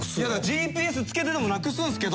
ＧＰＳつけててもなくすんですけど。